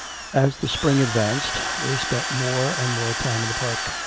V. As the spring advanced they spent more and more time in the park.